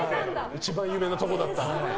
一番有名なところだった。